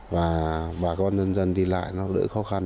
và bà con nhân dân đi lại nó đỡ khó khăn